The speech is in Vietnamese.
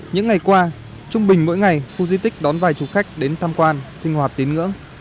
những ngày qua trung bình mỗi ngày khu di tích đón vài chú khách đến tham quan sinh hoạt tín ngưỡng